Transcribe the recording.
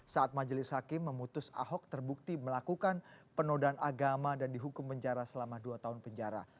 saat majelis hakim memutus ahok terbukti melakukan penodaan agama dan dihukum penjara selama dua tahun penjara